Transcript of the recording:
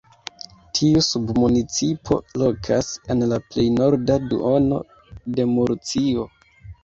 Tiu submunicipo lokas en la plej norda duono de Murcio.